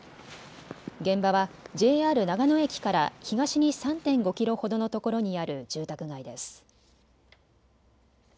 現場はＪＲ長野駅から東に３．５キロほどのところにある住宅街です。